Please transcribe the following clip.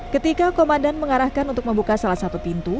ketika komandan mengarahkan untuk membuka salah satu pintu